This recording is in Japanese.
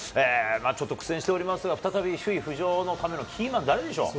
ちょっと苦戦しておりますが、再び首位浮上のためのキーマン、誰でしょう？